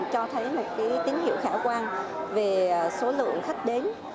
cho thấy một tín hiệu khả quan về số lượng khách đến